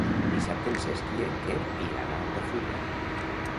Dissabte en Cesc i en Quer iran a Altafulla.